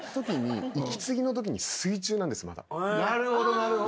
なるほどなるほど。